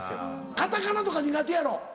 カタカナとか苦手やろ？